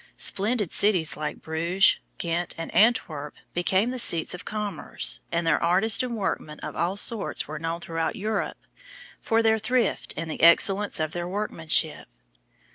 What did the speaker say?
Splendid cities like Bruges, Ghent and Antwerp became the seats of commerce and their artists and workmen of all sorts were known throughout Europe for their thrift and the excellence of their workmanship.